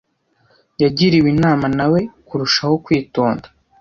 Yagiriwe inama na we kurushaho kwitonda.